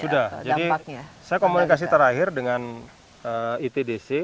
sudah jadi saya komunikasi terakhir dengan itdc